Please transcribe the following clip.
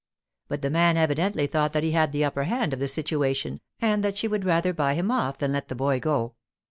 But the man evidently thought that he had the upper hand of the situation, and that she would rather buy him off than let the boy go.